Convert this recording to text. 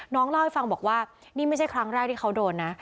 เล่าให้ฟังบอกว่านี่ไม่ใช่ครั้งแรกที่เขาโดนนะ